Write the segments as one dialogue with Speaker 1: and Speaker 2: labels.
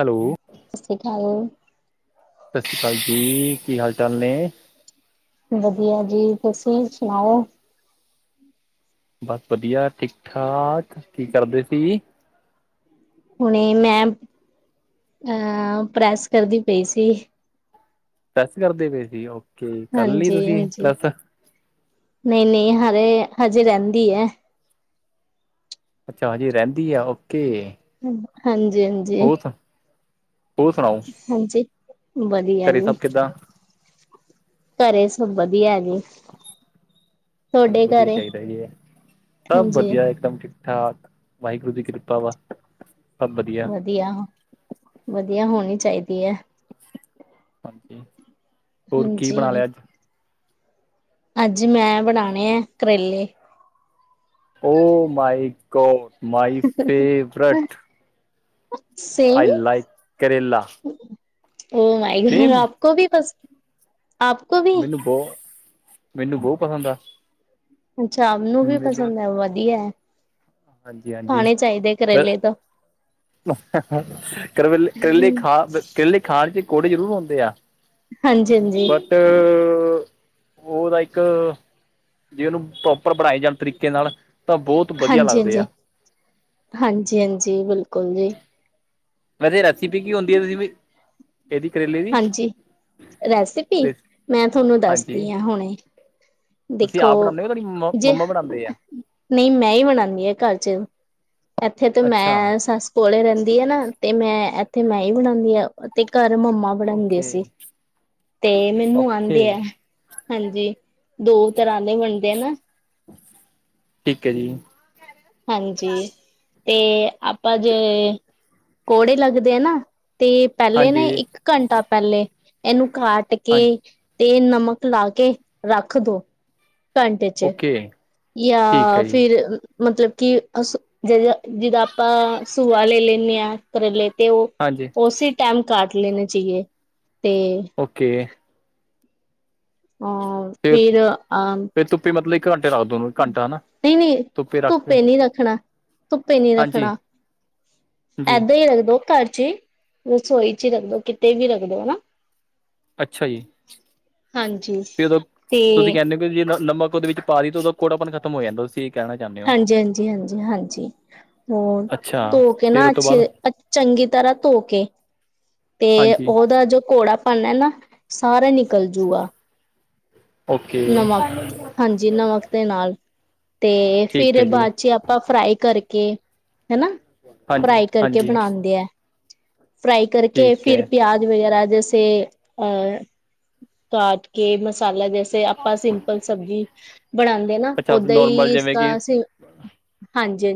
Speaker 1: Hello.
Speaker 2: ਸਸ਼੍ਰੀ ਕਾਲ।
Speaker 1: ਸਤਿ ਸ਼੍ਰੀ ਅਕਾਲ ਜੀ, ਕੀ ਹਾਲ-ਚਾਲ ਨੇ?
Speaker 2: ਵਧੀਆ ਜੀ, ਤੁਸੀਂ ਸੁਣਾਓ।
Speaker 1: ਬਸ ਵਧੀਆ, ਠੀਕ-ਠਾਕ। ਕੀ ਕਰਦੇ ਸੀ?
Speaker 2: ਹੁਣੇ ਮੈ ਅਹ, ਪ੍ਰੈਸ ਕਰਦੀ ਪਈ ਸੀ।
Speaker 1: ਪ੍ਰੈੱਸ ਕਰਦੇ ਪਏ ਸੀ, ਓਕੇ ਕਰ ਲਈ
Speaker 2: ਹਾਂਜੀ
Speaker 1: ਤੁਸੀਂ ਪ੍ਰੈੱਸ?
Speaker 2: ਨਈ-ਨਈਂ ਹਲੇ, ਹਜੇ ਰੈਂਦੀ ਐ।
Speaker 1: ਅੱਛਾ, ਅਜੇ ਰੈਂਦੀ ਐ, ਓਕੇ।
Speaker 2: ਹਾਂਜੀ-ਹਾਂਜੀ।
Speaker 1: ਹੋਰ ਸੁ, ਹੋਰ ਸੁਣਾਓ।
Speaker 2: ਹਾਂਜੀ, ਵਧੀਆ
Speaker 1: ਘਰੇ
Speaker 2: ਜੀ।
Speaker 1: ਸਭ ਕਿੱਦਾਂ
Speaker 2: ਘਰੇ ਸਭ ਵਧੀਆ ਜੀ।
Speaker 1: ਚਲੋ
Speaker 2: ਤੁਹਾਡੇ
Speaker 1: ਵਧੀਆ ਈ
Speaker 2: ਘਰੇ
Speaker 1: ਚਾਈਦਾ ਜੀ, ਸਭ
Speaker 2: ਹਾਂਜੀ
Speaker 1: ਵਧੀਆ ਇਕਦਮ। ਠਾਕ, ਵਾਹਿਗੁਰੂ ਦੀ ਕਿਰਪਾ ਵਾ, ਸਭ ਵਧੀਆ।
Speaker 2: ਵਧੀਆ ਵਧੀਆ ਹੋਣੀ ਚਾਈਦੀ ਐ।
Speaker 1: ਹਾਂਜੀ, ਹੋਰ ਕੀ ਬਣਾ
Speaker 2: ਹਾਂਜੀ
Speaker 1: ਲਿਆ ਅੱਜ?
Speaker 2: ਅੱਜ ਮੈਂ ਬਣਾਣੇ ਐ, ਕਰੇਲੇ।
Speaker 1: Oh my god, my favourite. I
Speaker 2: same,
Speaker 1: like ਕਰੇਲਾ
Speaker 2: ਉਹ ਮਾਏ
Speaker 1: ਸੇਮ
Speaker 2: [unintelligible] ਕੋ ਵੀ ਬਸ, ਆਪ
Speaker 1: ਮੈਨੂੰ ਬੋ, ਮੈਨੂੰ ਬੋ ਪਸੰਦ ਆ।
Speaker 2: ਅੱਛਾ, ਮੈਂਨੂੰ ਵੀ ਪਸੰਦ ਐ, ਵਧੀਐ।
Speaker 1: ਹਾਂਜੀ-ਹਾਂਜੀ, ਫੇਰ ਕਰਲੇ ਕਰੇਲੇ ਖਾ ਕਰੇਲੇ ਖਾਣ ਚ ਕੋੜੇ ਜ਼ਰੂਰ ਹੁੰਦੇ ਆ
Speaker 2: ਹਾਂਜੀ-ਹਾਂਜੀ।
Speaker 1: ਟ ਓਦਾ ਇੱਕ ਜੇ ਓਨੂੰ ਪ੍ਰੋਪਰ ਬਣਾਏ ਜਾਨ, ਤਰੀਕੇ ਨਾਲ ਤਾਂ ਬੋਤ ਵਧੀਆ ਲੱਗ
Speaker 2: ਜੀ, ਹਾਂਜੀ-ਹਾਂਜੀ, ਬਿਲਕੁਲ ਜੀ।
Speaker 1: ਵੈਸੇ ਰਸੀਪੀ ਕੀ ਹੁੰਦੀ, ਓਦੀ ਵੀ? ਇਹਦੀ ਕਰੇਲੇ ਦੀ
Speaker 2: ਹਾਂਜੀ, ਰੈਸਪੀ
Speaker 1: ਤੇ
Speaker 2: ਮੈਂ ਥੋਨੂੰ
Speaker 1: ਹਾਂਜੀ
Speaker 2: ਦੱਸਦੀ ਆਂ ਹੁਣੇਈ। [inaudible]
Speaker 1: ਤੁਸੀਂ ਆਪ ਬਣਾਦੇ ਓ, ਤੁਹਾਡੀ ਮਾ ਮੰਮਾ ਬਣਾਂਦੇ ਆ?
Speaker 2: ਨਈਂ, ਮੈਂ ਈਂ ਬਨਾਣੀ ਆਂ ਘਰ ਚ। ਇੱਥੇ ਤੇ
Speaker 1: ਅੱਛਾ
Speaker 2: ਮੈਂ ਸੱਸ ਕੋਲੇ ਰੈਂਦੀ ਆਨਾ। ਤੇ ਮੈਂ ਏਥੇ ਮੈਂ ਈ ਬਣਾਣੀ ਆ, ਤੇ ਘਰ ਮੰਮਾ ਬਣਾਦੇ
Speaker 1: ਓਕੇ
Speaker 2: ਸੀ, ਤੇ ਮੈਨੂੰ
Speaker 1: ਓਕੇ
Speaker 2: ਆਂਦੇ ਐ, ਹਾਂਜੀ। ਦੋ ਤਰ੍ਹਾਂ ਦੇ ਬਣਦੇ ਐ ਨਾ।
Speaker 1: ਠੀਕ ਐ ਜੀ।
Speaker 2: ਹਾਂਜੀ, ਤੇ ਆਪਾਂ ਜੇ ਕੌੜੇ ਲੱਗਦੇ ਐ ਨਾ ਤੇ ਪੈਲੇ ਨਾ
Speaker 1: ਹਾਂਜੀ
Speaker 2: ਇੱਕ ਘੰਟਾ ਪੈਲੇ, ਏਨੂੰ ਕਾਟ ਕੇ
Speaker 1: ਹਾਂਜੀ
Speaker 2: ਤੇ ਨਮਕ ਲਾ ਕੇ ਰੱਖ ਦੋ, ਘੰਟੇ ਚ
Speaker 1: ਓਕੇ ਠੀਕ ਹੈ
Speaker 2: ਯਾ
Speaker 1: ਜੀ
Speaker 2: ਫਿਰ ਮਤਲਬ ਕਿ ਅਸ ਜ ਜਿਦਾਂ ਆਪਾਂ ਸੂਆ ਲੈ ਲੈਂਨੇ ਆ ਕਰੇਲੇ ਤੇ ਉ
Speaker 1: ਹਾਂਜੀ।
Speaker 2: ਉਸੀ ਟੈਮ ਕਾਟ ਲੈਣੇ ਚਹੀਏ ਤੇ
Speaker 1: ਓਕੇ।
Speaker 2: ਅ
Speaker 1: ਅਤੇ
Speaker 2: ਫਿਰ ਅਮ
Speaker 1: ਫਿਰ ਧੁੱਪੇ ਮਤਲਬ ਇੱਕ ਘੰਟੇ ਰੱਖ ਦੋ ਨੂੰ, ਘੰਟਾ ਨਾ,
Speaker 2: ਨਹੀਂ ਨਹੀਂ
Speaker 1: ਧੁੱਪੇ ਰੱਖ ਕੇ
Speaker 2: ਨਹੀਂ ਰੱਖਣਾ, ਧੁੱਪੇ ਨੀ
Speaker 1: ਹਾਂਜੀ
Speaker 2: ਰੱਖਣਾ,
Speaker 1: ਜੀ
Speaker 2: ਏਦਾਂ ਹੀ ਰੱਖ ਦੋ। ਘਰ ਚ ਹੀ, ਰਸੋਈ ਚ ਹੀ ਰੱਖਦੋ ਕਿਤੇ ਵੀ ਰੱਖਦੋ ਹਨਾ।
Speaker 1: ਅੱਛਾ ਜੀ
Speaker 2: ਹਾਂਜੀ। ਤੇ
Speaker 1: ਤੇ ਜੇ ਨਾ ਨਮਕ ਉਦੇ ਵਿੱਚ ਪਾ ਦੀ ਤੇ ਉਦਾ ਕੌੜਾਪਨ ਖਤਮ ਹੋ ਜਾਂਦਾ ਸੀ
Speaker 2: ਹਾਂਜੀ - ਹਾਂਜੀ, ਹਾਂਜੀ- ਹਾਂਜੀ ਹੋਰ
Speaker 1: ਅੱਛਾ
Speaker 2: ਤੋ ਕੇ
Speaker 1: ਫਿਰ
Speaker 2: ਨਾ
Speaker 1: ਉਹ ਤੋਂ ਬਾਅਦ
Speaker 2: ਅੱਛੇ ਅ ਚੰਗੀ ਤਰਾਂ ਤੋ ਕੇ, ਤੇ
Speaker 1: ਹਾਂਜੀ
Speaker 2: ਓਦਾ ਜੋ ਕੌੜਾ ਪਨ ਏ ਨਾ ਸਾਰਾ ਨਿਕਲ ਜੂਗਾ।
Speaker 1: ਓਕੇ
Speaker 2: ਨਮਕ, ਹਾਂਜੀ ਨਮਕ ਤੇ ਨਾਲ। ਤੇ
Speaker 1: ਠੀਕ
Speaker 2: ਫਿਰ
Speaker 1: ਹੈ ਜੀ
Speaker 2: ਬਾੱਚ ਆਪਾਂ ਫਰਾਈ ਕਰਕੇ ਹਨਾ
Speaker 1: ਹਾਂਜੀ
Speaker 2: ਫਰਾਈ ਕਰਕੇ
Speaker 1: ਹਾਂਜੀ
Speaker 2: ਬਨਾਂਦੇ ਐ। ਫਰਾਈ ਕਰਕੇ
Speaker 1: ਠੀਕ ਹੈ
Speaker 2: ਫਿਰ ਪਯਾਜ ਵਗੈਰਾ ਜੈਸੇ ਹੂੰ ਕਾਟ ਕੇ ਮਸਾਲਾ ਜੈਸੇ ਆਪਾ ਸਿੰਪਲ ਸਬਜ਼ੀ ਬਣਾਂਦੇ ਨਾ
Speaker 1: ਅੱਛਾ
Speaker 2: ਓਦਾਂ ਈ
Speaker 1: ਨੋਰਮਲ ਜਿਵੇਂ
Speaker 2: ਇਸਦਾ
Speaker 1: ਕਿ
Speaker 2: ਸ ਹਾਂਜੀ-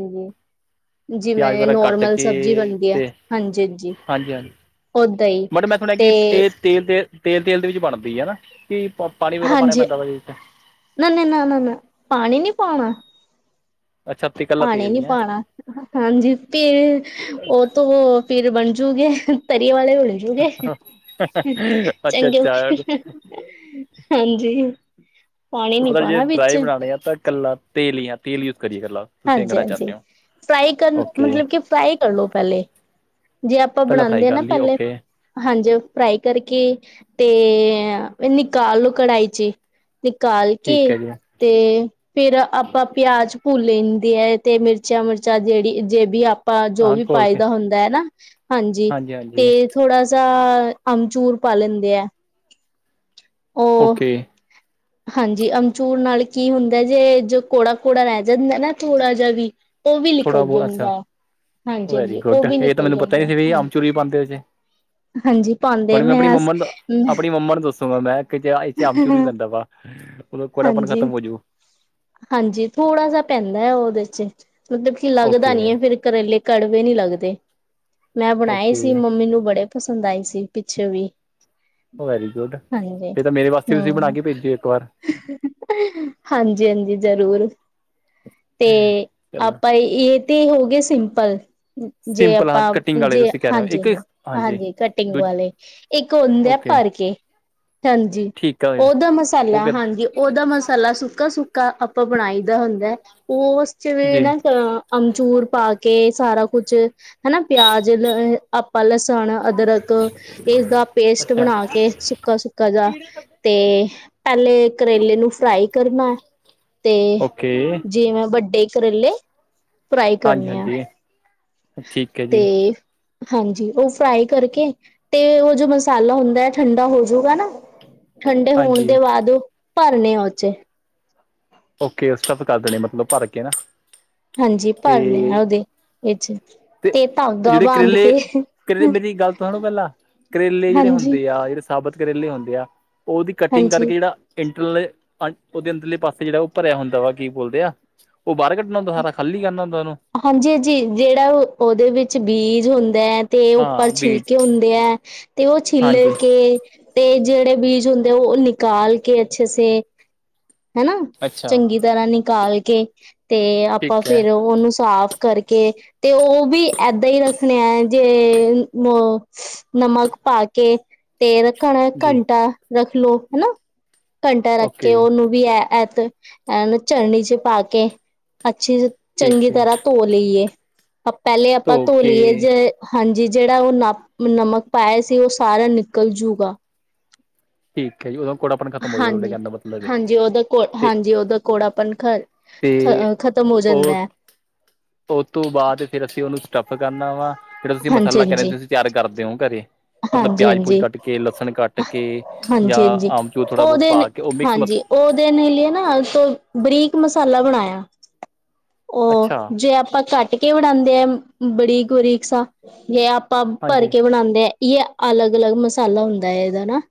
Speaker 2: ਹਾਂਜੀ
Speaker 1: ਪਯਾਜ
Speaker 2: ਜਿਵੇਂ
Speaker 1: ਵੈਰਾ ਕੱਟ
Speaker 2: ਨੋਰਮਲ
Speaker 1: ਕੇ
Speaker 2: ਸਬਜ਼ੀ ਬਣਦੀ ਆ
Speaker 1: ਤੇ
Speaker 2: ਹਾਂਜੀ-ਹਾਂਜੀ
Speaker 1: ਹਾਂਜੀ -ਹਾਂਜੀ।
Speaker 2: ਓਦਾਂ ਹੀ
Speaker 1: ਮੈਡ ਮੈਂ ਸੁਨਿਆ
Speaker 2: ਤੇ
Speaker 1: ਕਿ ਏਸ ਤੇਲ -ਤੇਲ ਤੇਲ- ਤੇਲ ਦੇ ਵਿੱਚ ਬਨਦੀ ਹਨਾ ਕਿ ਪਾਨੀ ਵਗੈਰਾ ਪਾਨਾ ਪੈਂਦਾ ਵਾ ਵਿਚ।
Speaker 2: ਨਾ ਨਾ ਨਾ ਨਾ ਨਾ ਪਾਨੀ ਨੀ ਪਉਨਾ
Speaker 1: ਅੱਛਾ। ਤੇ ਇਕੱਲਾ
Speaker 2: ਪਾਨੀ
Speaker 1: ਤੇਲ
Speaker 2: ਨੀ
Speaker 1: ਹੀ ਹੈ
Speaker 2: ਪਾਨਾ। ਹਾਂਜੀ ਤੇ ਉ ਤੋਂ ਫੇਰ ਬਨਜੂਗੀ ਤਰੀ ਵਾਲੇ ਹੋਲੇ [unintelligible]
Speaker 1: ਅੱਛਾ
Speaker 2: ਚੰਗੇ
Speaker 1: ਅੱਛਾ
Speaker 2: ਹਾਂਜੀ। ਪਾਣੀ ਨੀ
Speaker 1: ਪਤਾ ਜੇ
Speaker 2: ਪਾਉਣਾ ਵਿੱਚ
Speaker 1: ਡਰਾਈ ਬਨਾਨੇ ਆ ਤਾਂ ਕੱਲਾ ਤੇਲ ਈ ਆ, ਤੇਲ ਯੂਜ ਕਰੀਏ ਕੱਲਾ। ਤੁਸੀਂ
Speaker 2: ਹਾਂਜੀ,
Speaker 1: ਇੰਗਣਾ
Speaker 2: ਹਾਂਜੀ।
Speaker 1: ਚਾਹੁੰਦੇ ਹੋ
Speaker 2: ਫਰਾਈ ਕਰਨ
Speaker 1: ਓਕੇ
Speaker 2: ਮਤਲਬ ਕਿ ਫਰਾਈ ਕਰਲੋ ਪਹਲੇ। ਜੇ ਆਪਾਂ
Speaker 1: ਪਹਿਲਾਂ ਫਰਾਈ
Speaker 2: ਬਣਾਂਦੇ ਆ
Speaker 1: ਕਰ
Speaker 2: ਨਾ
Speaker 1: ਲਈਏ
Speaker 2: ਪਹਲੇ
Speaker 1: ਓਕੇ
Speaker 2: ਹਾਂਜੀ। ਫਰਾਈ ਕਰਕੇ ਤੇ ਨਿਕਾਲ ਲੋ ਕੜਾਈ ਚੀ। ਨਿਕਾਲ ਕੇ
Speaker 1: ਠੀਕ ਹੈ ਜੀ
Speaker 2: ਤੇ ਫੇਰ ਆਪਾਂ ਪਯਾਜ ਪੂਲ ਲੈਂਦੀ ਏ ਤੇ ਮਿਰਚਾਂ- ਮਿਰਚਾਂ ਜੇੜੀ ਜੇ ਵੀ ਆਪਾਂ ਜੋ
Speaker 1: ਹਾਂ
Speaker 2: ਵੀ
Speaker 1: ਘੋਲ
Speaker 2: ਪਾਈ
Speaker 1: ਕੇ
Speaker 2: ਦਾ ਹੁੰਦੈ ਨਾਂ ਹਾਂਜੀ ਤੇ ਥੋੜਾ ਸਾ ਆਮਚੂਰ ਪਾ ਲੈਂਦੇ ਏ।
Speaker 1: ਓਕੇ।
Speaker 2: ਹਾਂਜੀ ਅਮਚੂਰ ਨਾਲ ਕੀ ਹੁੰਦਾ ਜੇ ਜੋ ਕੌੜਾ- ਕੋੜਾ ਰੇੈ ਜਾਂਦੈ ਨਾ ਥੋੜਾ ਜਾ ਵੀ ਓ ਵੀ ਲਿਕਲ
Speaker 1: ਥੋੜਾ ਬਹੁਤ ਅੱਛਾ
Speaker 2: ਜੁੰਗਾ।
Speaker 1: Very good. ਏ ਤਾਂ ਮੈਨੂੰ ਪਤਾ ਈ ਸੀ ਵੀ
Speaker 2: ਹਾਂਜੀ
Speaker 1: ਅਮਚੁਰ ਵੀ ਪਾਂਦੇ ਏਦੇ ਚ।
Speaker 2: ਹਾਂਜੀ ਪਾਉਂਦੇ
Speaker 1: ਪਰ ਮੈਂ ਆਪਨੀ ਮੰਮਾ ਨੂੰ ਆਪਨੀ ਮੰਮਾ ਨੂੰ ਦੱਸੋਗਾ ਮੈਂ ਕੀ ਏ ਚ ਆਮ ਚੂਰ ਵੀ ਪੈਂਦਾ ਵਾ। ਹੁਣ ਕੋੜਾਪਨ
Speaker 2: ਹਾਂਜੀ
Speaker 1: ਖਤਮ ਹੋ ਜੂ।
Speaker 2: ਹਾਂਜੀ। ਥੋੜਾ ਜਾ ਪੈਂਦੈ ਉਦੇ ਚ ਮਤਲਬ ਕਿ ਲੱਗਦਾ ਨੀ
Speaker 1: ਓਕੇ
Speaker 2: ਹੈ ਫਿਰ ਕਰੇਲੇ ਕੜਵੇ ਨੀ ਲੱਗਦੇ। ਮੈਂ ਬਣਾਏ
Speaker 1: ਓਕੇ
Speaker 2: ਸੀ ਮੰਮੀ ਨੂੰ ਬੜੇ ਪਸੰਦ ਆਈ ਸੀ। ਪਿੱਛੋ ਵੀ
Speaker 1: ਓ ਵੈਰੀ ਗੁੱਡ,
Speaker 2: ਹਾਂਜੀ
Speaker 1: ਫੇਰ ਤਾਂ ਮੇਰੇ ਵਾਸਤੇ ਵੀ ਤੁਸੀਂ ਬਣਾ
Speaker 2: ਹਮ
Speaker 1: ਕੇ ਭੇਜਿਓ, ਇੱਕ ਵਾਰ।
Speaker 2: ਹਾਂਜੀ, ਹਾਂਜੀ ਜ਼ਰੂਰ, ਤੇ
Speaker 1: ਚਲੋ
Speaker 2: ਆਪਾਂ ਏ, ਏ ਤੇ ਹੋਗੇ ਸਿੰਪਲ ਜੇ
Speaker 1: ਸਿੰਪਲ ਹਾਂ
Speaker 2: ਆਪਾਂ
Speaker 1: ਕਟਿੰਗ ਵਾਲੇ
Speaker 2: ਜੇ
Speaker 1: ਤੁਸੀਂ ਕਹਿ ਰਹੇ ਹੋ ਇੱਕ ਹਾਂਜੀ
Speaker 2: ਹਾਂਜੀ-ਹਾਂਜੀ ਕਟਿੰਗ
Speaker 1: ਦੂਜ
Speaker 2: ਵਾਲੇ ਇੱਕ ਹੁੰਦੇ ਆ
Speaker 1: ਓਕੇ
Speaker 2: ਭਰਕੇ ਹਾਂਜੀ,
Speaker 1: ਠੀਕ ਆ ਵੀਰ
Speaker 2: ਓਦਾ ਮਸਾਲਾ
Speaker 1: ਓਕੇ
Speaker 2: ਹਾਂਜੀ, ਓਦਾ ਮਸਾਲਾ ਸੁੱਕਾ ਸੁੱਕ ਆਪਾਂ ਬਣਾਈ ਦਾ ਹੁੰਦਾ, ਓਸ ਚ ਵੀ
Speaker 1: ਜੀ
Speaker 2: ਨਾ ਅੰਬਚੂਰ ਪਾ ਕੇ ਕੇ ਸਾਰਾ ਕੁਛ, ਹਨਾ ਪਿਆਜ ਲ ਆਪਾਂ ਲਸਨ, ਅਦਰਕ ਏਸਦਾ ਪੇਸਟ
Speaker 1: ਅੱਛਾ
Speaker 2: ਬਣਾ ਕੇ ਸੁੱਕਾ-ਸੁੱਕਾ ਜਾ ਤੇ ਪੈਲੇ, ਕਰੇਲੇ ਨੂੰ ਫਰਾਈ ਕਰਨਾ ਤੇ
Speaker 1: ਓਕੇ
Speaker 2: ਜਿਵੇਂ ਵੱਡੇ ਕਰੇਲੇ ਫਰਾਈ
Speaker 1: ਹਾਂਜੀ
Speaker 2: ਕਰਨੇ ਆ,
Speaker 1: ਹਾਂਜੀ ਠੀਕ ਹੈ
Speaker 2: ਤੇ
Speaker 1: ਜੀ
Speaker 2: ਹਾਂਜੀ, ਓ ਫਰਾਈ ਕਰਕੇ ਤੇ ਓ ਜੋ ਮਸਾਲਾ ਹੁੰਦਾ, ਠੰਡਾ ਹੋਜੂਗਾ ਨਾ ਠੰਡੇ ਹੋਣ
Speaker 1: ਹਾਂਜੀ
Speaker 2: ਤੇ ਬਾਦ, ਭਰਨੇ ਆ ਓ ਚ
Speaker 1: ਓਕੇ ਸਟਫ ਕਰ ਦੇਣੇ, ਮਤਲਬ ਭਰ ਕੇ ਨਾ।
Speaker 2: ਹਾਂਜੀ
Speaker 1: ਤੇ
Speaker 2: ਭਰਨੇ ਆ, ਓਹਦੇ ਵਿੱਚ।
Speaker 1: ਤੇ
Speaker 2: ਧਾਗਾ
Speaker 1: ਜੇੜੇ
Speaker 2: ਬਾਂਧ ਕੇ
Speaker 1: ਕਰੇਲੇ-ਕਰੇਲੇ ਮੇਰੀ ਗੱਲ ਤੋਂ ਸੁਣੋ ਪੈਲਾਂ ਕਰੇਲੇ ਜੇੜੇ
Speaker 2: ਹਾਂਜੀ
Speaker 1: ਹੁੰਦੇ ਆ, ਜੇੜੇ ਸਾਬਤ ਕਰੇਲੇ ਹੁੰਦੇ ਆ, ਓਦੀ ਕਟਿੰਗ
Speaker 2: ਹਾਂਜੀ
Speaker 1: ਕਰਕੇ ਜੇੜਾ ਇੰਟਰਨਲ, ਓਦੇ ਅੰਦਰਲੇ ਪਾਸੇ। ਤੇ ਜੇੜਾ ਓ ਭਰਿਆ ਹੁੰਦਾ ਵਾ ਕੀ ਬੋਲਦੇ ਆ, ਓ ਬਾਰ ਕੱਢਣਾ ਹੁੰਦਾ ਸਾਰਾ ਖਾਲੀ ਕਰਨਾ ਹੁੰਦਾ ਉਹਨੂੰ।
Speaker 2: ਹਾਂਜੀ-ਹਾਂਜੀ, ਜੇੜਾ ਓਦੇ ਵਿੱਚ ਬੀਜ ਹੁੰਦੇ ਐ। ਤੇ ਉੱਪਰ
Speaker 1: ਹਾਂ ਬੀਜ
Speaker 2: ਛਿਲਕੇ ਹੁੰਦੇ ਐਤੇ ਓ ਛਿੱਲ
Speaker 1: ਹਾਂਜੀ
Speaker 2: ਕੇ। ਤੇ ਜੇੜੇ ਬੀਜ ਹੁੰਦੇ ਓ ਨਿਕਾਲ ਕੇ ਅੱਛੇ ਸੇ ਹਨਾ,
Speaker 1: ਅੱਛਾ
Speaker 2: ਚੰਗੀ ਤਰ੍ਹਾਂ ਨਿਕਾਲ ਕੇ ਤੇ ਆਪਾਂ
Speaker 1: ਠੀਕ ਹੈ
Speaker 2: ਫੇਰ ਉਹਨੂੰ ਸਾਫ਼ ਕਰਕੇ ਤੇ ਓ ਵੀ ਏਦਾਂ ਈ ਰੱਖਣੇ ਆ ਜੇ ਨਮਕ ਪਾ ਕੇ ਤੇ
Speaker 1: ਜੀ
Speaker 2: ਘੰਟਾ ਰੱਖਲੋ ਹਨਾ, ਘੰਟਾ ਰੱਖ ਕੇ
Speaker 1: ਓਕੇ
Speaker 2: ਉਹਨੂੰ ਵੀ ਐ ਤੇ ਐਨੂ ਚਨਨੀ ਚ ਪਾ ਕੇ, ਅੱਛੀ ਚੰਗੀ
Speaker 1: ਠੀਕ ਹੈ
Speaker 2: ਤਰ੍ਹਾਂ ਧੋ ਲਈਏ, ਪੈਲੇ ਆਪਾਂ ਧੋ ਲਈਏ ਜੇ ਹਾਂਜੀ ਜੇੜਾ ਓ ਨਮਕ ਪਾਇਆ ਸੀ, ਓ ਸਾਰਾ ਨਿਕਲ ਜੂਗਾ।
Speaker 1: ਠੀਕ ਐ ਜੀ, ਓਦਾ ਕੋੜਾਪਨ ਖਤਮ ਹੋਜੂ। ਥੋਡੇ
Speaker 2: ਹਾਂਜੀ
Speaker 1: ਕੈਣ ਦਾ ਮਤਲਬ ਐ।
Speaker 2: ਹਾਂਜੀ ਉਹਦਾ ਕੋ ਹਾਂਜੀ, ਓਦਾ ਕੋੜਾਪਨ ਖ
Speaker 1: ਅਤੇ
Speaker 2: ਖ਼ਤਮ ਹੋ
Speaker 1: ਓ
Speaker 2: ਜਾਂਦਾ ਹੈ
Speaker 1: ਓਤੋਂ ਬਾਦ ਫੇਰ ਅਸੀਂ ਉਹਨੂੰ ਸਟੱਫ ਕਰਨਾ ਵਾ। ਜੇੜਾ ਤੁਸੀਂ
Speaker 2: ਹਾਂਜੀ
Speaker 1: ਮਸਾਲਾ
Speaker 2: ਹਾਂਜੀ
Speaker 1: ਤੁਸੀਂ ਤਿਆਰ ਕਰਦੇ ਓ, ਘਰੇ। ਮਤਲਬ
Speaker 2: ਹਾਂਜੀ
Speaker 1: ਪਿਆਜ ਪਊਜ
Speaker 2: ਹਾਂਜੀ
Speaker 1: ਕੱਟ ਕੇ, ਲਸਣ ਕੱਟ ਕੇ ਜਾਂ
Speaker 2: ਹਾਂਜੀ ਹਾਂਜੀ
Speaker 1: ਆਮਚੂਰਥੋੜਾ ਬੋਤ
Speaker 2: ਉਹਦੇ
Speaker 1: ਪਾ ਕੇ, ਓ ਮਿਕਸ ਮਸ
Speaker 2: ਹਾਂਜੀ, ਓ ਦੇ ਲਈ ਨਾ ਬਰੀਕ ਮਸਾਲਾ ਬਣਾਇਆ। ਓ
Speaker 1: ਅੱਛਾ
Speaker 2: ਜੇ ਆਪਾਂ ਕੱਟ ਕੇ ਬਣਾਂਦੇ ਆ, ਬਰੀਕ-ਬਰੀਕ ਸਾਂ ਆਪ ਭਰ
Speaker 1: ਹਾਂਜੀ
Speaker 2: ਕੇ ਬਣਾਂਦੇ ਆ ਯਾ ਅਲੱਗ-ਅਲੱਗ ਮਸਾਲਾ ਹੁੰਦਾ ਐ, ਏਦਾ ਨਾ।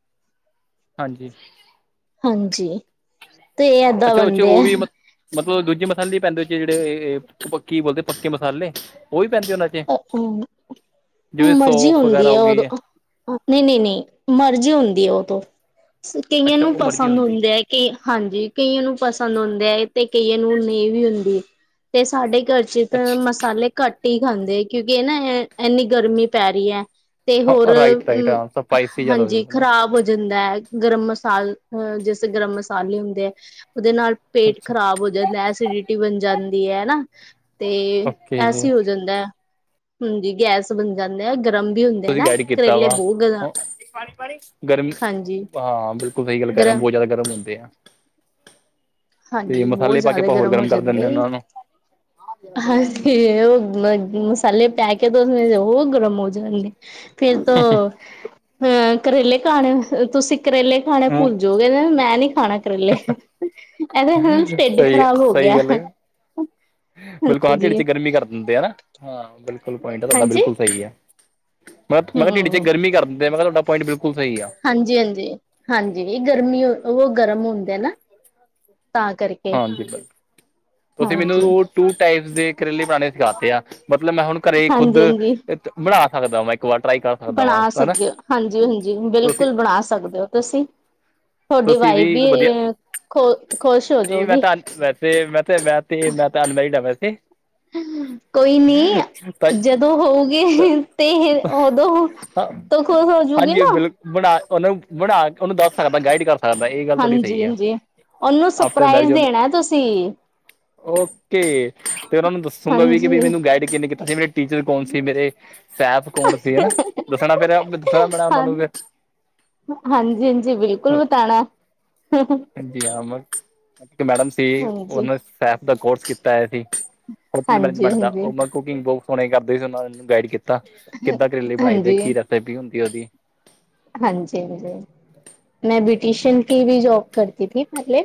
Speaker 1: ਹਾਂਜੀ।
Speaker 2: ਹਾਂਜੀ। ਤੇ ਇਹ ਏਦਾਂ
Speaker 1: ਅੱਛਾ-ਅੱਛਾ,
Speaker 2: ਬਣਦੇ
Speaker 1: ਓ
Speaker 2: ਆ
Speaker 1: ਵੀ ਮ ਮਤਲਬ ਦੂਜੇ ਮਸਾਲੇ ਪੈਂਦੇ ਜੇੜੇ, ਏ ਕੀ ਬੋਲਦੇ ਪੱਕੇ ਮਸਾਲੇ। ਉਹ ਵੀ ਪੈਂਦੇ ਉਹਨਾਂ 'ਚ
Speaker 2: ਹੂੰ,
Speaker 1: ਜਿਵੇਂ
Speaker 2: ਮਰਜ਼ੀ
Speaker 1: ਸੌਂਫ
Speaker 2: ਹੁੰਦੀ
Speaker 1: ਵਗੈਰਾ
Speaker 2: ਐ,
Speaker 1: ਹੋ
Speaker 2: ਓ
Speaker 1: ਗਈ
Speaker 2: ਦੇ
Speaker 1: ਹੈ
Speaker 2: ਨਈ, ਨਈ, ਨਈ ਮਰਜ਼ੀ ਹੁੰਦੀ ਐ, ਓ ਤੋਂ ਕਈਆਂ
Speaker 1: ਅੱਛਾ
Speaker 2: ਨੂੰ
Speaker 1: ਉਹ ਮਰਜ਼ੀ
Speaker 2: ਪਸੰਦ
Speaker 1: ਹੁੰਦੀ
Speaker 2: ਹੁੰਦੇ ਐ। ਹਾਂਜੀ, ਕਈਆਂ ਨੂੰ ਪਸੰਦ ਹੁੰਦੇ ਐ ਤੇ ਕਈਆਂ ਨੂੰ ਨਈ ਵੀ ਹੁੰਦੇ। ਤੇ ਸਾਡੇ ਘਰ ਤਾਂ
Speaker 1: ਅੱਛਾ
Speaker 2: ਮਸਾਲੇ ਘੱਟ ਈ ਖਾਂਦੇ, ਕਿਉਂਕਿ ਏ ਨਾ ਏਹ ਏਨੀ ਗਰਮੀ ਪੈ ਰਹੀ ਐ। ਤੇ ਹੋਰ
Speaker 1: ਹਾਂ ਰਾਈਟ ਰਾਈਟ ਹਾਂ ਸਪਾਈਸੀ ਜ਼ਿਆਦਾ
Speaker 2: ਹਾਂਜੀ,
Speaker 1: ਹੋ ਨਾ
Speaker 2: ਖਰਾਬ ਹੋ ਜਾਂਦੈ। ਗਰਮ ਮਸਾਲ ਅ ਜੇਸੇ ਗਰਮ ਮਸਾਲੇ ਹੁੰਦੇ ਆ, ਓਦੇ ਨਾਲ ਪੇਟ
Speaker 1: ਅੱਛਾ
Speaker 2: ਖ਼ਰਾਬ ਹੋ ਜਾਂਦੈ, ਐਸੀਡਿਟੀ ਬਣ ਜਾਂਦੀ ਐ ਹਨਾ, ਤੇ
Speaker 1: ਓਕੇ
Speaker 2: ਐਸੀ ਹੋ ਜਾਂਦੈ। ਹੁੰਦੀ ਗੈਸ ਬਣ ਜਾਂਦੇ ਆ ਗਰਮ ਵੀ ਹੁੰਦੇ ਐ
Speaker 1: ਤੁਸੀਂ
Speaker 2: ਨਾਂ,
Speaker 1: ਗਾਈਡ ਕੀਤਾ
Speaker 2: ਕਰੇਲੇ
Speaker 1: ਵਾ
Speaker 2: ਬੋਤ ਗਰਮ,
Speaker 1: ਗਰਮ
Speaker 2: ਹਾਂਜੀ।
Speaker 1: ਹਾਂ, ਬਿਲਕੁਲ ਸਹੀ ਗੱਲ ਕੈ ਰੇ, ਬਹੁਤ ਜਾਦਾ ਗਰਮ ਹੁੰਦੇ ਆ। ਤੇ
Speaker 2: ਹਾਂਜੀ, ਬਉਤ
Speaker 1: ਮਸਾਲੇ ਪਾ ਕੇ
Speaker 2: ਜਾਦਾ
Speaker 1: ਆਪਾਂ ਹੋਰ
Speaker 2: ਗਰਮ ਹੋ
Speaker 1: ਕਰ ਦਿੰਦੇ
Speaker 2: ਜਾਂਦੇ।
Speaker 1: ਉਹਨਾਂ ਨੂੰ
Speaker 2: [unintelligible] ਪੈਲੇ [unintelligible] ਗਰਮ ਹੋ ਜਾਂਣਗੇ, ਫੇਰ ਤੋਂ ਅਹ ਕਰੇਲੇ ਖਾਣੇ, ਤੁਸੀਂ ਕਰੇਲੇ ਖਾਣੇ ਭੁੱਲ ਜੋਗੇ, ਮੈਂ ਨੀ ਖਾਣੇ ਕਰੇਲੇ। ਹੰ, ਟੇਡ
Speaker 1: ਸਹੀ
Speaker 2: ਖ਼ਰਾਬ ਹੋ
Speaker 1: ਸਹੀ
Speaker 2: ਗਯਾ।
Speaker 1: ਗੱਲ ਹੈ ਬਿਲਕੁਲ ਹਾਂ ਟੇਡ ਚ ਗਰਮੀ ਕਰ ਦਿੰਦੇ ਆਨਾ ਹਾਂ, ਬਿਲਕੁਲ ਪੁਆਇੰਟ ਤੁਆਡਾ
Speaker 2: ਹਾਂਜੀ
Speaker 1: ਬਿਲਕੁਲ ਸਈ ਐ। ਮੈਂ ਮੈਂਹੈ ਟੀਡ ਚ
Speaker 2: ਹਮ
Speaker 1: ਗਰਮੀ ਕਰਦੇ ਐ, ਮੈਂਹੈ ਤੁਆਡਾ ਪੋਂਇੰਟ ਬਿਲਕੁਲ ਸਈ ਆ।
Speaker 2: ਹਾਂਜੀ-ਹਾਂਜੀ, ਹਾਂਜੀ ਗਰਮੀ ਓ ਗਰਮ ਹੁੰਦੇ ਨਾ, ਤਾਂ ਕਾਰਕੇ।
Speaker 1: ਹਾਂਜੀ, ਬਿਲਕੁਲ ਤੁਸੀਂ ਮੇਨੂੰ ਟੂ ਟਾਈਪਸ ਦੇ ਕਰੇਲੇ ਬਣਾਨੇ ਸਿਖਾਤੇ ਆ, ਮਤਲਬ ਮੈਂ ਹੁਨ ਘਰੇ ਖੁੱਦ
Speaker 2: ਹਾਂਜੀ ਹਾਂਜੀ
Speaker 1: ਬਣਾ ਸਕਦਾ ਵਾ, ਇੱਕ ਵਾਰ ਟਰਾਈ ਕਰ ਸਕਦਾ ਵਾਂ
Speaker 2: ਬਣਾ
Speaker 1: ਹਨਾ,
Speaker 2: ਸਕਦੇ ਹੋ ਹਾਂਜੀ ਹਾਂਜੀ
Speaker 1: ਤੁਸੀਂ
Speaker 2: ਬਿਲਕੁਲ ਬਣਾ ਸਕਦੇ ਓ ਤੁਸੀਂ, ਥੋਡੀ
Speaker 1: ਤੁਸੀਂ
Speaker 2: ਵਾਈਫ
Speaker 1: ਇੱਕ
Speaker 2: ਵੀ
Speaker 1: ਵਧੀਆ
Speaker 2: ਖੋ ਖੋਸ਼ ਹੋਜੋਗੀ।
Speaker 1: ਤੇ ਮੈਂ ਤੇ, ਮੈਂ ਤੇ, ਮੈਂ ਤਾਂ ਅਨਮੈਰਿਡ ਆ ਵੈਸੇ।
Speaker 2: ਕੋਈ ਨੀ
Speaker 1: ਤਾਂ
Speaker 2: ਜਦੋਂ ਹੋਊਗੇ ਤੇ ਓਦੋਂ'
Speaker 1: ਹਾਂ
Speaker 2: ਤੋ ਖੁਸ ਹੋਜੂ
Speaker 1: ਹਾਂਜੀ
Speaker 2: ਗੀਨਾ।
Speaker 1: ਬਿਲ ਬਣਾ ਓਨੂੰ, ਬਣਾ ਓਨੂੰ ਦੱਸ ਸਕਦਾ ਗਾਈਡ ਕਰ ਸਕਦਾ, ਏ ਗੱਲ ਥੋੜੀ ਸਈ ਐ।
Speaker 2: ਓਨੂੰ ਸਰਪ੍ਰਾਈਜ਼ ਦੇਣਾ ਤੁਸੀ।
Speaker 1: ਓਕੇ, ਫੇਰ ਓਨੂੰ ਦੱਸੂਗਾ ਵੀ ਕਿ
Speaker 2: ਹਾਂਜੀ
Speaker 1: ਵੀ ਮੈਨੂੰ ਗਾਈਡ ਕਿੰਨੇ ਕੀਤਾ ਸੀ, ਮੇ ਟੀਚਰ ਕੌਣ ਸੀ ਮੇਰੇ, ਸੈਫ ਕੌਣ ਸੀ ਹਨਾ, ਦੱਸਣਾ ਫੇਰ ਦੱਸਣਾ ਪੈਣਾ ਓਨਾਂ ਨੂੰ ਫੇਰ।
Speaker 2: ਹਾਂਜੀ-ਹਾਂਜੀ, ਬਿਲਕੁਲ ਬਤਾਨਾ।
Speaker 1: [unintelligible] ਏਕ ਮੈਡਮ ਸੀ
Speaker 2: ਹਾਂਜੀ
Speaker 1: ਓਨਾਂ ਸੈਫ ਦਾ ਕੋਰਸ ਕੀਤਾ ਹੋਇਆ ਸੀ, ਹੋਟਲ
Speaker 2: ਹਾਂਜੀ
Speaker 1: ਮੈਨੇਜਮੈਂਟ ਦਾ ਓ ਕੁਕਿੰਗ ਬੋਤ ਸੋਣੀ ਕਰਦੇ ਸੀ, ਓਨਾ ਗਾਈਡ ਕੀਤਾ ਕਿੱਦਾਂ ਕਰੇਲੇ ਬਣਾਈ ਦੇ,
Speaker 2: ਹਾਂਜੀ
Speaker 1: ਕੀ ਰੈਸਪੀ ਹੁੰਦੀ ਓਦੀ।
Speaker 2: ਹਾਂਜੀ-ਹਾਂਜੀ, ਮੈਂ ਬਿਟੀਸ਼ਨ ਕੀ ਵੀ ਜੋਬ ਕਰਤੀ ਥੀ ਪੈਹਲੇ।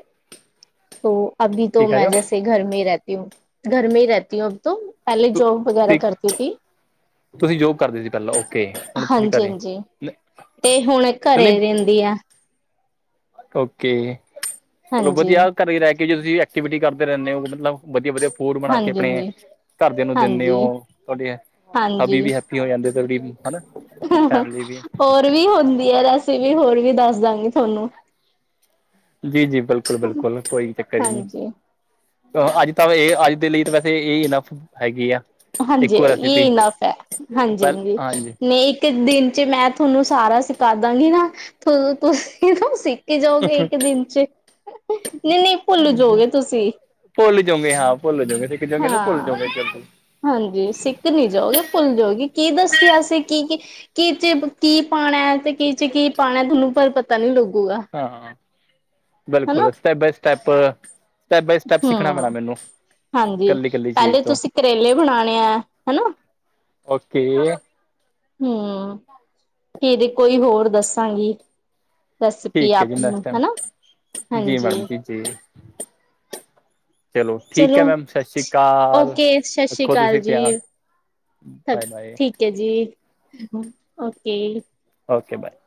Speaker 2: ਤੋ ਅਭੀ
Speaker 1: ਕੀ
Speaker 2: ਤੋਂ
Speaker 1: ਕਹਿ ਰਹੇ
Speaker 2: ਮੈਂ
Speaker 1: ਹੋ
Speaker 2: ਜੈਸੇ ਘਰ ਮੇ ਰੈਹਤੀ ਹੁੰ, ਘਰ ਮੇ ਹੀ ਰੈਹਤੀ ਹੂ ਅਬ ਤੋਂ। ਪੈਲੇ
Speaker 1: ਤੁ
Speaker 2: ਜੋਬ ਵਗੈਰਾ
Speaker 1: ਤੁਸੀਂ
Speaker 2: ਕਰਤੀ ਥੀ,
Speaker 1: ਤੁਸੀਂ ਜੋਬ ਕਰਦੇ ਸੀ ਪਹਿਲਾਂ ਓਕੇ ਹੁਣ ਤੁਸੀਂ
Speaker 2: ਹਾਂਜੀ-ਹਾਂਜੀ।
Speaker 1: [inaudible]
Speaker 2: ਏ ਹੁਣ ਘਰੇ
Speaker 1: ਨਹੀਂ
Speaker 2: ਰੈਂਦੀ ਆ।
Speaker 1: ਓਕੇ ਚਲੋ
Speaker 2: ਹਾਂਜੀ।
Speaker 1: ਵਧੀਆ, ਘਰੇ ਰੈ ਕੇ ਜੇ ਤੁਸੀ ਐਕਟੀਵਿਟੀ ਕਰਦੇ ਰੈਨੇ ਓ, ਮਤਲਬ ਵਧੀਆ-ਵਧੀਆ ਫੂਡ ਬਣਾ ਕੇ ਆਪਣੇ
Speaker 2: ਹਾਂਜੀ-ਹਾਂਜੀ, ਹਾਂਜੀ।
Speaker 1: ਘਰਦਿਆਂ ਨੂੰ ਦਿੰਨੇ ਓ,
Speaker 2: ਹਾਂਜੀ
Speaker 1: ਤੁਆਡੇ ਹਬੀ
Speaker 2: ਹਾਂਜੀ
Speaker 1: ਵੀ ਹੈ ਫ੍ਰੀ ਹੋ ਜਾਂਦੇ ਜਲਦੀ, ਹਨਾਂ।
Speaker 2: ਹੋਰ ਵੀ ਹੁੰਦੀ ਐ ਰੇਸਪੀ, ਹੋਰ ਵੀ ਦੱਸ ਦਾਂਗੀ ਥੋਨੂੰ।
Speaker 1: ਜੀ-ਜੀ, ਬਿਲਕੁਲ-ਬਿਲਕੁਲ, ਕੋਈ ਚੱਕਰ ਈ ਨਈਂ।
Speaker 2: ਹਾਂਜੀ।
Speaker 1: ਅੱਜ ਤਾਂ ਏ ਅੱਜ ਦੇ ਲਈ ਤਾਂ ਵੈਸੇ ਏ ਇਨਫ਼ ਹੈਗੀ ਆ।
Speaker 2: ਹਾਂਜੀ
Speaker 1: ਇੱਕੋ
Speaker 2: ਯੇ
Speaker 1: ਰੈਸਿਪੀ
Speaker 2: ਇਨਾਫ਼ ਐ
Speaker 1: ਪਹਿਲ
Speaker 2: ਹਾਂਜੀ-ਹਾਂਜੀ
Speaker 1: ਹਾਂਜੀ
Speaker 2: ਨੇ ਇੱਕ ਦਿਨ 'ਚ ਮੈਂ ਤੁਹਾਨੂੰ ਸਾਰਾ ਸਿਖਾ ਦਾਂਗੀ ਨਾ ਤੁਸੀ ਨਾ ਸਿਖ ਕੇ ਜਾਓਗੇ ਇੱਕ ਦਿਨ 'ਚ ਨਈ-ਨਈ ਭੁੱਲ ਜਾਓਗੇ ਤੁਸੀਂ।
Speaker 1: ਭੁੱਲ ਜਾਓਗੇ, ਹਾਂ ਭੁੱਲ ਜਾਓਗੇ ਤੁਸੀ ਕਿਦਾ ਕਹਿੰਦੇ ਭੁੱਲ
Speaker 2: ਹਾਂ।
Speaker 1: ਜਾਓਗੇ ਫੇਰ ਤੁਸੀਂ
Speaker 2: ਹਾਂਜੀ ਸਿੱਖ ਨੀ ਜਾਓਗੇ, ਭੁੱਲ ਜਾਓਗੇ, ਕੀ ਦਸਿਆ ਸੀ ਅਸੀਂ ਕੀ-ਕੀ ਕੀ 'ਚ ਕੀ ਪਾਣਾ ਤੇ ਕੀਚ 'ਚ ਕੀ ਪਾਣਾ, ਤੁਹਾਨੂੰ ਪਰ ਪਤਾ ਨੀ ਲੱਗੂਗਾ।
Speaker 1: ਹਾਂ ਹਾਂ
Speaker 2: ਹਨਾ
Speaker 1: ਬਿਲਕੁਲ, step by step step by step ਸਿੱਖਣਾ ਪੈਣਾ
Speaker 2: ਹੂੰ
Speaker 1: ਮੈਨੂੰ
Speaker 2: ਹਾਂਜੀ
Speaker 1: ਕੱਲੀ ਕੱਲੀ ਚੀਜ਼
Speaker 2: ਪਹਿਲੇ
Speaker 1: ਤੋਂ
Speaker 2: ਤੁਸੀਂ ਕਰੇਲੇ ਬਣਾਣੇ ਐ ਹਨਾ।
Speaker 1: ਓਕੇ!
Speaker 2: ਹੂੰ ਫਿਰ ਕੋਈ ਹੋਰ ਦੱਸਾਂਗੀ। ਰੈਸਪੀ
Speaker 1: ਠੀਕ ਹੈ
Speaker 2: ਆਪ
Speaker 1: ਜੀ
Speaker 2: ਨੂੰ
Speaker 1: ਨੈਕਸਟ
Speaker 2: ਹਨਾ,
Speaker 1: ਟਾਈਮ ਜੀ ਮੈਡਮ
Speaker 2: ਹਾਂਜੀ।
Speaker 1: ਜੀ ਜੀ। ਚਲੋ ਠੀਕ ਆ ਮੈਮ ਸਤਿ ਸ਼੍ਰੀ ਅਕਾਲ,
Speaker 2: ਓਕੇ ਸਤਿ ਸ੍ਰੀ
Speaker 1: ਰੱਖੋ
Speaker 2: ਅਕਾਲ
Speaker 1: ਤੁਸੀਂ
Speaker 2: ਜੀ
Speaker 1: ਧਿਆਨ। Bye, bye.
Speaker 2: ਠੀਕ ਆ ਜੀ, ਓਕੇ।
Speaker 1: Okay bye.